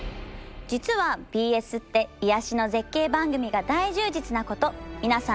実はＢＳって癒やしの絶景番組が大充実なこと皆さん知ってました？